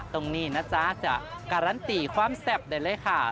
ตรงนี้นะจ๊ะจะการันตีความแซ่บได้เลยค่ะ